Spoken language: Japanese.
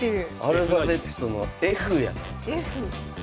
アルファベットのＦやなこれは。